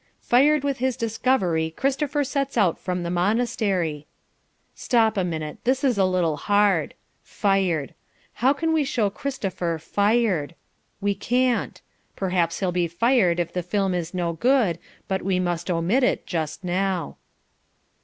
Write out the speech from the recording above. "...Fired with his discovery Christopher sets out from the monastery." Stop a minute, this is a little hard. Fired. How can we show Christopher "fired." We can't. Perhaps he'll be fired if the film is no good, but we must omit it just now.